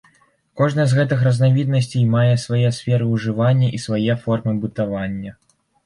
Кожная з гэтых разнавіднасцей мае свае сферы ўжывання і свае формы бытавання.